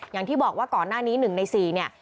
อย่างที่บอกว่าก่อนหน้านี้๑ใน๔เนี่ย